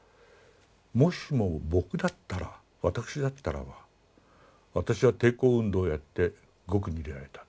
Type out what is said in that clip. もしも僕だったら私だったらば私は抵抗運動をやって獄に入れられた。